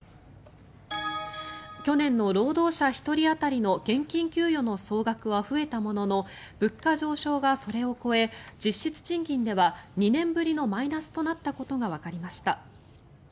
去年の労働者１人当たりの現金給与の総額は増えたものの物価上昇がそれを超え実質賃金では２年ぶりのマイナスとなったことがわかりました。